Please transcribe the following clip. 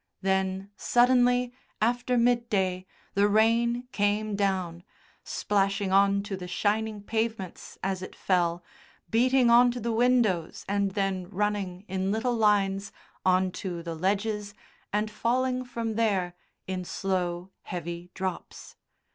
Then, suddenly, after midday, the rain came down, splashing on to the shining pavements as it fell, beating on to the windows and then running, in little lines, on to the ledges and falling from there in slow, heavy drops.